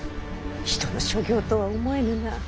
人の所業とは思えぬな。